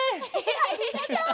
ありがとう。